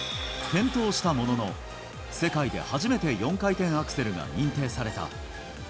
転倒したものの、世界で初めて４回転アクセルが認定された。